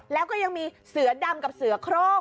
แล้วก็ยังมีเสือดำกับเสือโครง